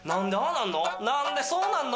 なんでそうなんの？